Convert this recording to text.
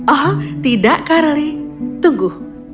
oh tidak carly tunggu